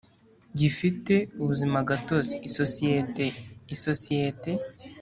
gifite ubuzimagatozi isosiyete isosiyete